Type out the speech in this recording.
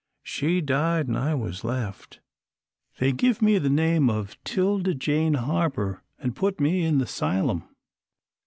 She died, an' I was left. They give me the name of 'Tilda Jane Harper, an' put me in the 'sylum.